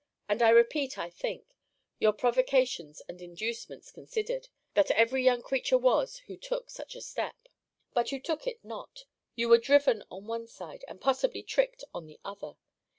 And I repeat, I think, your provocations and inducements considered, that ever young creature was who took such a step. But you took it not You were driven on one side, and, possibly, tricked on the other.